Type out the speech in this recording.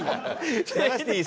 流していい？